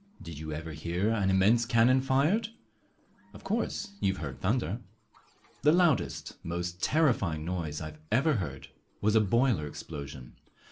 Did you ever hear an immense cannon fired? Of course you have heard thunder. The loudest, most terrifying noise I ever heard was a boiler explosion.